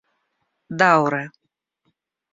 daŭre